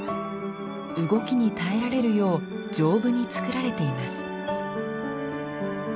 動きに耐えられるよう丈夫に作られています。